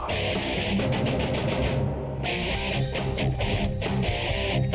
ฟ้ายเตอร์